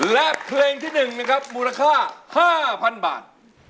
และเพลงที่๑นะครับมูลค่า๕๐๐๐บาท